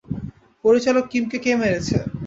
পরিচালক কিমকে কে মেরেছে?